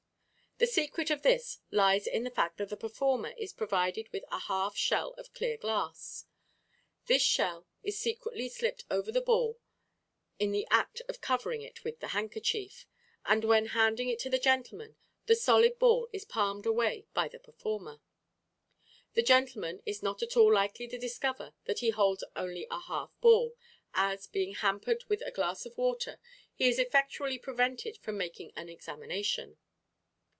The secret of this lies in the fact that the performer is provided with a half shell of clear glass. This shell is secretly slipped over the ball in the act of covering it with the handkerchief, and when handing it to the gentleman the solid ball is palmed away by the performer. The gentleman is not at all likely to discover that he holds only a half ball, as, being hampered with the glass of water, he is effectually prevented from making an examination.